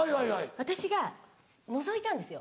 私がのぞいたんですよ